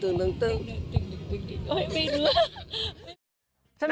ฉันเป็นแปลนข่าวม้าวศันสิบาท